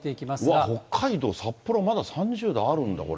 わっ、北海道札幌、まだ３０度あるんだ、これ。